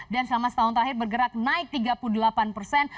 dan selama setahun terakhir bergerak naik tiga puluh delapan persen